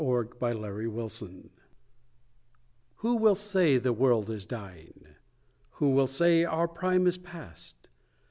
THE WORLD'S AGE Who will say the world is dying? Who will say our prime is past?